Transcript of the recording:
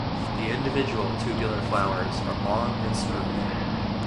The individual tubular flowers are long and smooth.